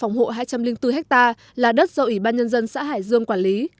trong đó có khoảng một mươi hectare là đất do ủy ban nhân dân xã hải dương quản lý